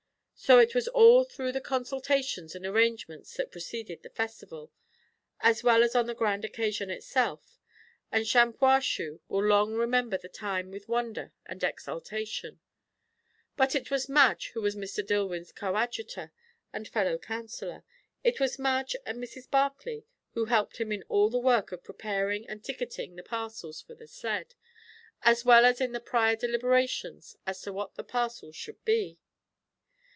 So it was all through the consultations and arrangements that preceded the festival, as well as on the grand occasion itself; and Shampuashuh will long remember the time with wonder and exultation; but it was Madge who was Mr. Dillwyn's coadjutor and fellow counsellor. It was Madge and Mrs. Barclay who helped him in all the work of preparing and ticketing the parcels for the sled; as well as in the prior deliberations as to what the parcels should be.